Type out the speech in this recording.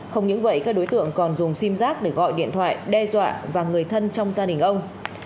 không những vậy các đối tượng còn dùng sim giác để gọi điện thoại đe dọa và người thân trong gia đình ông